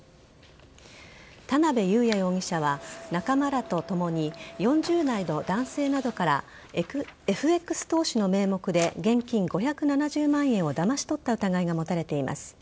田辺佑弥容疑者は仲間らとともに４０代の男性などからＦＸ投資の名目で現金５７０万円をだまし取った疑いが持たれています。